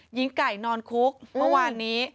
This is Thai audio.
หญิงไก่นอนคุกเมื่อวานนี้